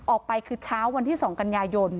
ออกไปคือเช้าวันที่๒กันยายน